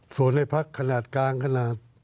ส่วนในพักขนาดกลางขนาด